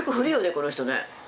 この人ね。